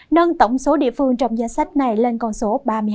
nâng tổng số địa phương trong danh sách này lên con số ba mươi hai